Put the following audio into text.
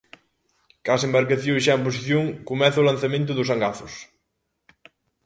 Coas embarcacións xa en posición, comeza o lanzamento dos angazos.